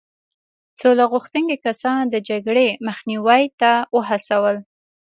سوله غوښتونکي کسان د جګړې مخنیوي ته وهڅول.